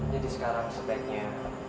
jadi sekarang sebaiknya